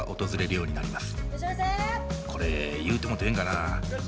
これ言うてもうてええんかな。